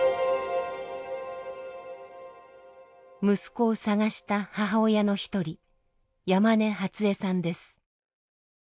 息子を捜した母親の一人山根初恵さんです。